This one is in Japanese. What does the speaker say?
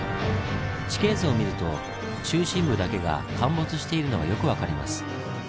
地形図を見ると中心部だけが陥没しているのがよく分かります。